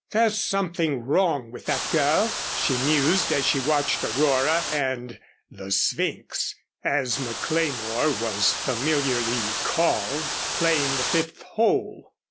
"There's something wrong with that girl," she mused, as she watched Aurora and "the Sphynx" as McLemore was familiarly called playing the fifth hole.